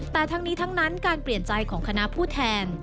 แต่ทั้งนี้ทั้งนั้นการเปลี่ยนใจของคณะผู้แทน